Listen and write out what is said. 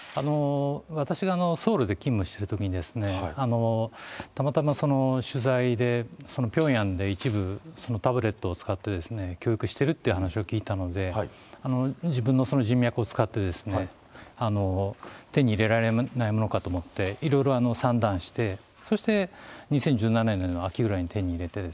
私がソウルで勤務してるときに、たまたま取材で、ピョンヤンで一部そのタブレットを使って、教育してるって話を聞いたので、自分の人脈を使って、手に入れられないものかと思って、いろいろ算段して、そして２０１７年の秋ぐらいに手に入れて。